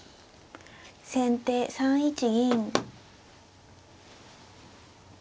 先手３一銀。